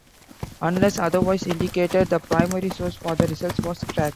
Unless otherwise indicated, the primary source for the results was Craig.